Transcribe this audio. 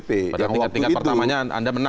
pada tingkat tingkat pertamanya anda menang